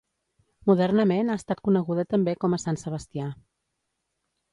Modernament ha estat coneguda també com a Sant Sebastià.